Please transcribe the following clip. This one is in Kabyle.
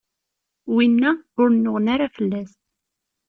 winna, ur nnuɣen ara fell-as.